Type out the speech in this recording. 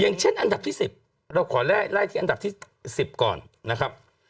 เช่นอันดับที่๑๐เราขอไล่ที่อันดับที่๑๐ก่อนนะครับ